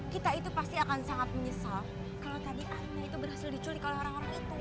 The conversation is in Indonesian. kita itu pasti akan sangat menyesal kalau tadi ana itu berhasil diculik oleh orang orang itu